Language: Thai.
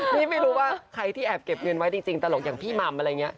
นี่ไม่รู้ว่าใครที่แอบเก็บเงินไว้จริงตลกอย่างพี่หม่ำอะไรอย่างนี้